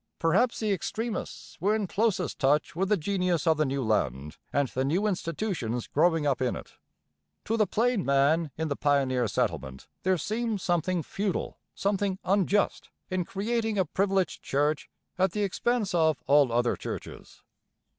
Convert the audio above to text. Perhaps the extremists were in closest touch with the genius of the new land and the new institutions growing up in it. To the plain man in the pioneer settlement there seemed something feudal, something unjust, in creating a privileged church at the expense of all other churches.